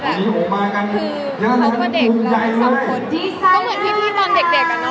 พวกเด็กจ่ายมาก